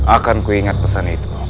akanku ingat pesan itu